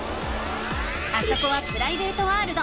あそこはプライベートワールド。